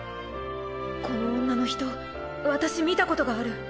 この女の人私見たことがある。